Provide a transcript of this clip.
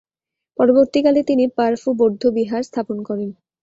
পরবর্তীকালে তিনি পার-ফু বৌদ্ধবিহার স্থাপন করেন।